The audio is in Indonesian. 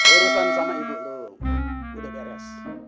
urusan sama ibu lu udah garis